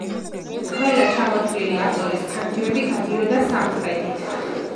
ყველა ჩამოთვლილი ავტორის ფანჯრები გადიოდა სამხრეთით.